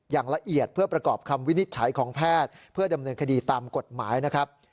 อย่างละเอียดเพื่อประกอบคำวินิจฉัยของแพทย์เพื่อดำเนินคดีตามกฎหมายนะครับ